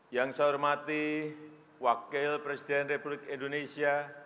yang saya hormati wakil presiden republik indonesia